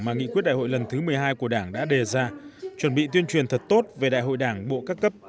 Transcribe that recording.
mà nghị quyết đại hội lần thứ một mươi hai của đảng đã đề ra chuẩn bị tuyên truyền thật tốt về đại hội đảng bộ các cấp